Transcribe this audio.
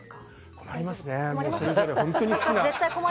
困りますね。